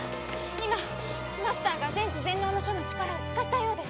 今マスターが全知全能の書の力を使ったようです。